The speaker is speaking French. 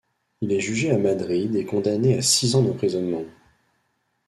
Il est jugé à Madrid et condamné à six ans d'emprisonnement.